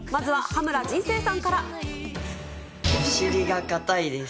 お尻が硬いです。